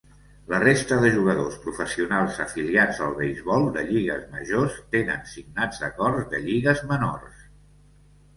La resta de jugadors professionals afiliats al beisbol de lligues majors tenen signats acords de lligues menors.